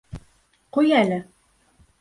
Ҡуй әле!